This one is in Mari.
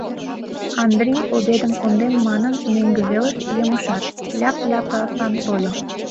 Андрий обедым кондем манын, мӧҥгӧ велыш йымышат, ляп-ляпасын тольо.